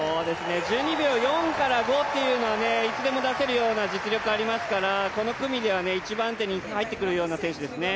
１２秒４から５というのはいつでも出せるような実力はありますからこの組では一番手に入ってくるような選手ですね。